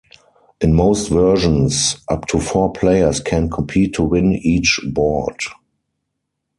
In most versions, up to four players can compete to win each board.